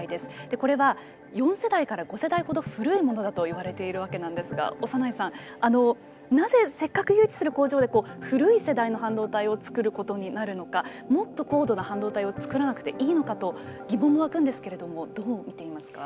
これは４世代から５世代ほど古いものだといわれているわけなんですが、長内さんなぜせっかく誘致する工場で古い世代の半導体を作ることになるのかもっと高度な半導体を作らなくていいのかと疑問が湧くんですけれどもどう見ていますか。